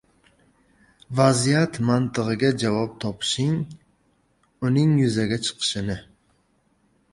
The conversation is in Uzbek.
Vaziyat mantig‘iga javob topishing, uning yuzaga chiqishini